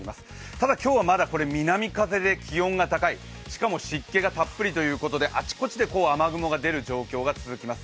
ただ今日は南風で気温が高いしかも湿気がたっぷりということであちこちで雨雲が出る状況が続きます。